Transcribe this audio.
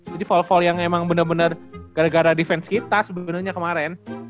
jadi fall fall yang emang bener bener gara gara defense kita sebenernya kemaren